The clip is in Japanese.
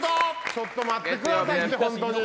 ちょっと待ってください、本当に。